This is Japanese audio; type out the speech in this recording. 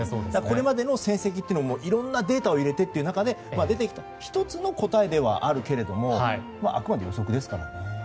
これまでの成績というのもいろいろなデータを入れて出てきた１つの答えではあるけれどもあくまで予測ですからね。